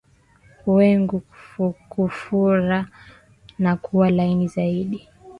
Wengu kufura na kuwa laini zaidi